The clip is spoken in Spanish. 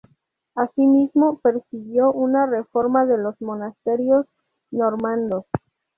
Asimismo persiguió una reforma de los monasterios normandos.